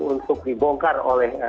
untuk dibongkar oleh